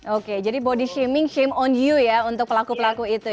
oke jadi body shaming shame on you ya untuk pelaku pelaku itu ya